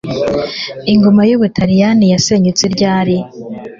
Ingoma y'Ubutaliyani yasenyutse ryari